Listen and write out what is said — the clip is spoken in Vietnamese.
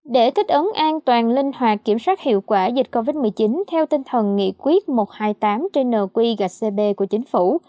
để thích ứng an toàn linh hoạt kiểm soát hiệu quả dịch covid một mươi chín theo tinh thần nghị quyết một trăm hai mươi tám trên nq gcb của chính phủ